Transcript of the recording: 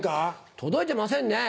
届いてませんね。